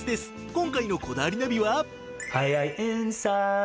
今回の『こだわりナビ』は。